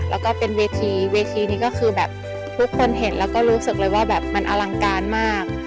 แล้วก็เป็นเวทีเวทีนี้ก็คือแบบทุกคนเห็นแล้วก็รู้สึกเลยว่าแบบมันอลังการมาก